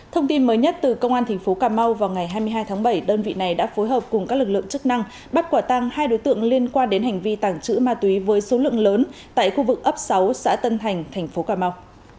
thông tin mới nhất từ công an tp cà mau vào ngày hai mươi hai tháng bảy đơn vị này đã phối hợp cùng các lực lượng chức năng bắt quả tăng hai đối tượng liên quan đến hành vi tàng trữ ma túy với số lượng lớn tại khu vực ấp sáu xã tân thành thành phố cà mau